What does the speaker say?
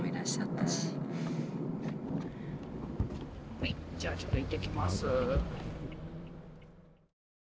はいじゃあちょっと行ってきます。